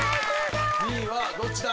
２位はどっちだ？